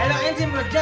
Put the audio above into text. eh mak mak mak